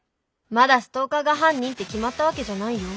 まだストーカーが犯人って決まったわけじゃないよ。